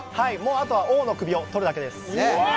あとは王の首をとるだけです。